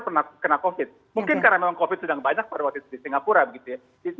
pernah kena covid mungkin karena memang covid sedang banyak pada waktu itu di singapura begitu ya